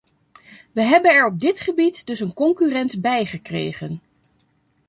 We hebben er op dit gebied dus een concurrent bijgekregen.